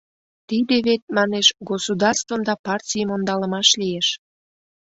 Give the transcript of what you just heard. Тиде вет, манеш, государствым да партийым ондалымаш лиеш.